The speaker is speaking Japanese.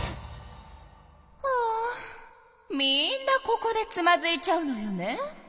ああみんなここでつまずいちゃうのよね。